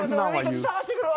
捜してくるわ。